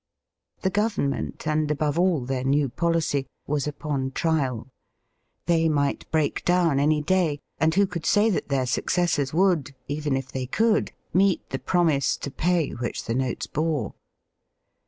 The Government, and above all their new policy, was upon trial. They might break down any day, and who could say that their successors would, even if they could, meet the promise to pay which the notes bore